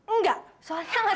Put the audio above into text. enggak soalnya enggak